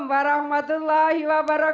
assalamualaikum warahmatullahi wabarakatuh